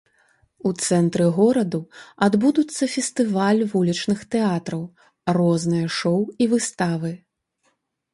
У цэнтры гораду адбудуцца фестываль вулічных тэатраў, розныя шоў і выставы.